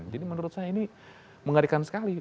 jadi menurut saya ini mengerikan sekali